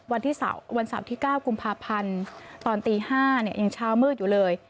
วันเสาร์ที่๙กุมภาพันธ์ตอนตี๕ยังเช้ามืดอยู่เลย